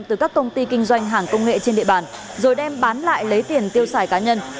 từ các công ty kinh doanh hàng công nghệ trên địa bàn rồi đem bán lại lấy tiền tiêu xài cá nhân